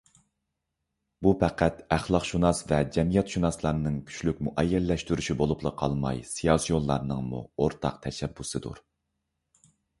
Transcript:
بۇ پەقەت ئەخلاقشۇناس ۋە جەمئىيەتشۇناسلارنىڭ كۈچلۈك مۇئەييەنلەشتۈرۈشى بولۇپلا قالماي سىياسىيونلارنىڭمۇ ئورتاق تەشەببۇسىدۇر.